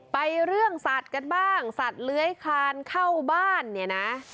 ไปเรื่องสัตว์กันบ้างสัตว์เลื้อยคลานเข้าบ้านเนี่ยนะ